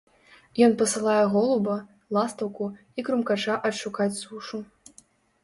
Ён пасылае голуба, ластаўку і крумкача адшукаць сушу.